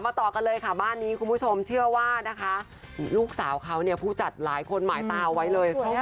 ต่อกันเลยค่ะบ้านนี้คุณผู้ชมเชื่อว่านะคะลูกสาวเขาเนี่ยผู้จัดหลายคนหมายตาเอาไว้เลย